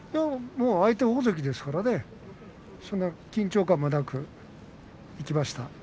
相手は大関ですからね緊張感もなくいきました。